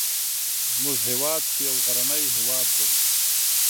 زموږ هیواد چې یو غرنی هیواد دی